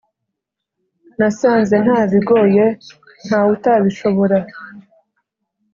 nasanze ntabigoye ntawutabishobora